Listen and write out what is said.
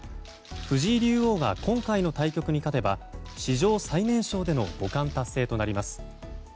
藤井竜王が今回の対局に勝てば史上最年少での五冠達成となります。